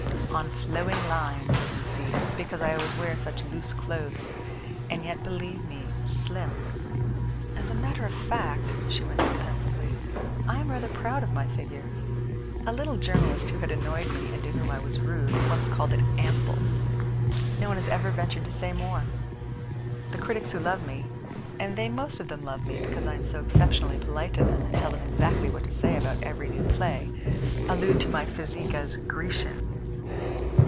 On flowing lines, as you see, because I always wear such loose clothes, and yet, believe me, slim. As a matter of fact," she went on pensively, "I am rather proud of my figure. A little journalist who had annoyed me, and to whom I was rude, once called it ample. No one has ever ventured to say more. The critics who love me, and they most of them love me because I am so exceptionally polite to them, and tell them exactly what to say about every new play, allude to my physique as Grecian."